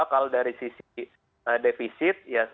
kalau dari sisi defisit